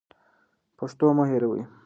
پښتو مه هېروئ.